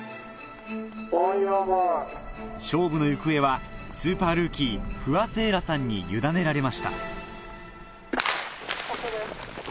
勝負の行方はスーパールーキー不破聖衣来さんに委ねられました